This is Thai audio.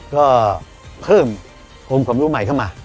ก็เพิ่มภูมิความรู้ใหม่เข้ามา